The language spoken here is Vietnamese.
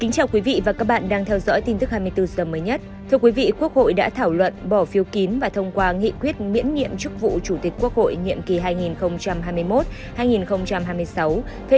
các bạn hãy đăng ký kênh để ủng hộ kênh của chúng mình nhé